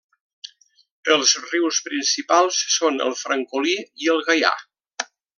Els rius principals són el Francolí i el Gaià.